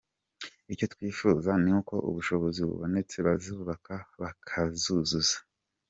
Icyo twifuza ni uko ubushobozi bubonetse bazubaka bakazuzuza.